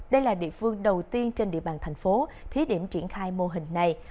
đây là địa phương đầu tiên trên địa bàn thành phố thí điểm triển khai mô hình này